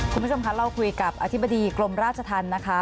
คุณผู้ชมคะเราคุยกับอธิบดีกรมราชธรรมนะคะ